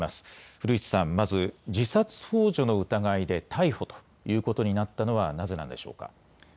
古市さん、まず自殺ほう助の疑いで逮捕ということになったのはなぜなんでしょうか。